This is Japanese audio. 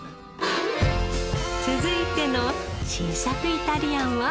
続いての新作イタリアンは？